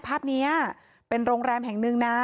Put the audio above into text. ภาพนี้เป็นโรงแรมแห่งหนึ่งนะ